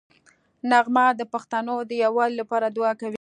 نغمه د پښتنو د یووالي لپاره دوعا کوي